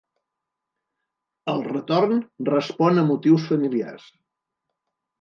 El retorn respon a motius familiars.